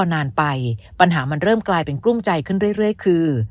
นานไปปัญหามันเริ่มกลายเป็นกลุ้มใจขึ้นเรื่อยคือ